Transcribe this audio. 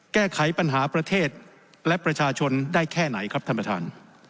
แก้ไขปัญหาประเทศและประชาชนได้แค่ไหนครับท่านประธาน